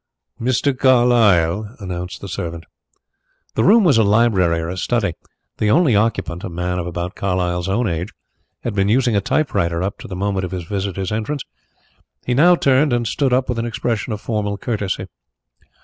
"Mr. Carlyle," announced the servant. The room was a library or study. The only occupant, a man of about Carlyle's own age, had been using a typewriter up to the moment of his visitor's entrance. He now turned and stood up with an expression of formal courtesy.